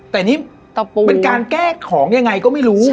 แต่นี่เป็นการแก้ของยังไงก็ไม่รู้